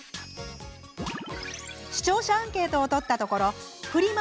視聴者アンケートを取ったところフリマ